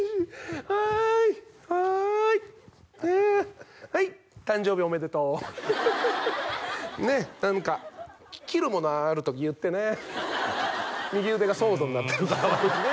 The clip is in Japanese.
はいはいねえはい誕生日おめでとうねえ何か切るものある時言ってね右腕がソードになってるから私ね